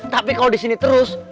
tapi kalau di sini terus